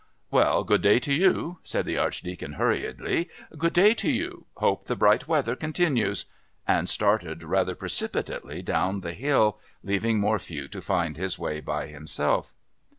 "Well, good day to you," said the Archdeacon hurriedly. "Good day to you.... Hope this bright weather continues," and started rather precipitately down the hill, leaving Morphew to find his way by himself.